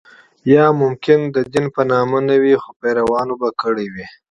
یا ممکن د دین په نامه نه وي خو پیروانو به کړې وي.